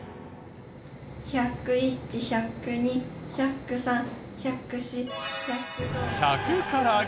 １０１１０２１０３１０４。